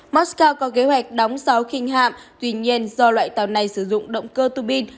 moscow có kế hoạch đóng sáu khinh hạm tuy nhiên do loại tàu này sử dụng động cơ tù binh